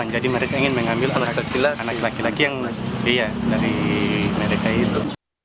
jadi mereka ingin mengambil anak laki laki dari mereka itu